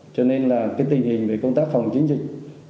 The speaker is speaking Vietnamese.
cho nên là tình hình công tác phòng chống dịch